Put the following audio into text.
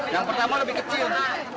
yang pertama lebih kecil